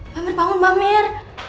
mamir bangun mamir